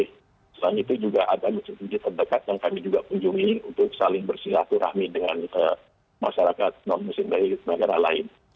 selain itu juga ada masjid masjid terdekat yang kami juga kunjungi untuk saling bersilaturahmi dengan masyarakat non muslim dari negara lain